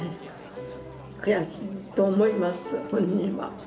悔しいと思います本人は。